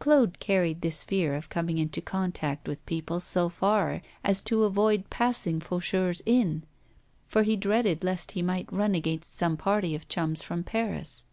Claude carried this fear of coming into contact with people so far as to avoid passing Faucheur's inn, for he dreaded lest he might run against some party of chums from Paris.